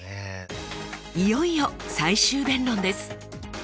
いよいよ最終弁論です！